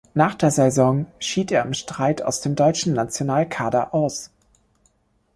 Nach der Saison schied er im Streit aus dem deutschen Nationalkader aus.